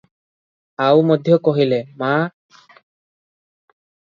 ଆଉ ମଧ୍ୟ କହିଲେ- "ମା!